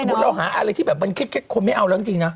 สมมุติเราหาอะไรที่แบบมันเคล็ดคนไม่เอาแล้วจริงนะ